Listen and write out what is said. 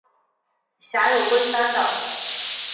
辖有龟山岛。